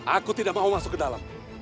aku tidak mau masuk ke dalam